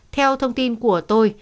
theo thông tin của tôi